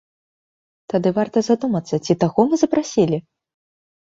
Тады варта задумацца, ці таго мы запрасілі!?